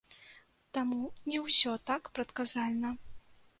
Таму не ўсё так прадказальна.